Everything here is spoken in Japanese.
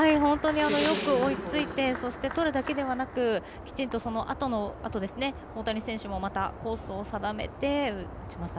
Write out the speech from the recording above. よく追いついて、そしてとるだけではなく、きちんとそのあと大谷選手もまた、コースを定めて打ちました。